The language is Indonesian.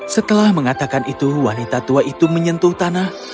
setelah mengatakan itu wanita tua itu menyentuh tanah